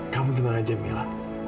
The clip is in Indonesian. kamu tenang saja mila